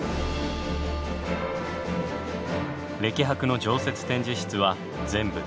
歴博の常設展示室は全部で６つ。